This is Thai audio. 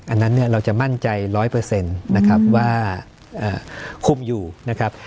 อันนั้นเนี่ยเราจะมั่นใจ๑๐๐นะครับว่าคุมอยู่นะครับ